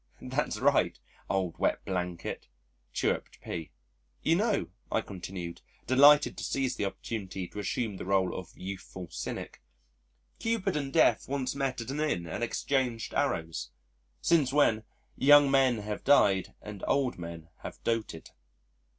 "That's right, old wet blanket," chirruped P . "You know," I continued, delighted to seize the opportunity to assume the role of youthful cynic, "Cupid and Death once met at an Inn and exchanged arrows, since when young men have died and old men have doted."